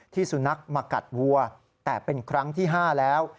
สุนัขมากัดวัวแต่เป็นครั้งที่๕แล้ว